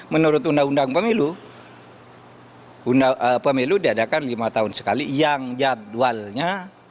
menurut undang undang pemilu pemilu diadakan lima tahun sekali yang jadwalnya